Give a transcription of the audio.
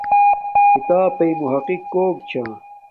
کھیتاپݵ محقق کوک چھا